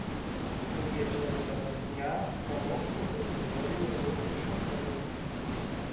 Увечары таго ж дня па мосце быў дазволены рух пешаходаў.